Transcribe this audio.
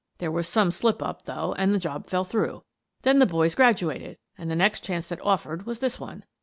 There was some slip up, though, and the job fell through. Then the boys graduated, and the next chance that offered was this one.